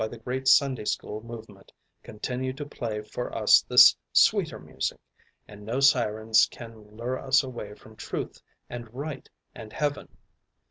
Let the great Sunday school movement continue to play for us this sweeter music, and no sirens can lure us away from truth and right and heaven.